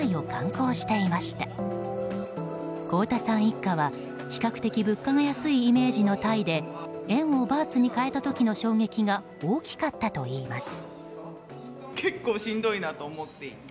光田さん一家は比較的物価が安いイメージのタイで円をバーツに替えた時の衝撃が大きかったといいます。